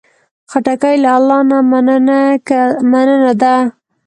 خټکی له الله نه مننه ده.